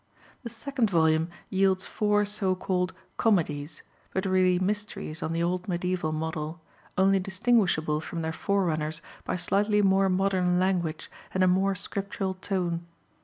The second volume yields four so called "comedies," but really mysteries on the old mediæval model, only distinguishable from their forerunners by slightly more modern language and a more scriptural tone.